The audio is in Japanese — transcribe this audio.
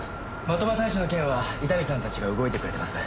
的場太一の件は伊丹さんたちが動いてくれてます。